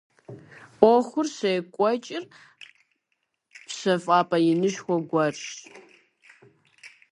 Ӏуэхур щекӀуэкӀыр пщэфӀапӀэ инышхуэ гуэрщ.